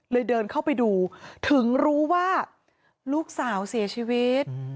เดินเข้าไปดูถึงรู้ว่าลูกสาวเสียชีวิต